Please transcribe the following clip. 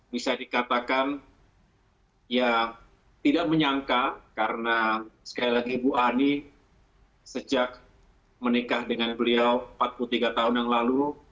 bisa dikatakan ya tidak menyangka karena sekali lagi ibu ani sejak menikah dengan beliau empat puluh tiga tahun yang lalu